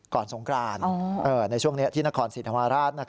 ก่อนสงครานในช่วงที่นครสินธมาราช